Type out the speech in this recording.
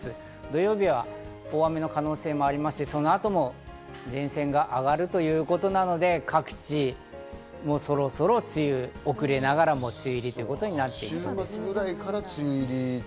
土曜日は大雨の可能性があって、そのあとも前線が上がるということなので、各地そろそろ遅れながらも梅雨入りとなりそうです。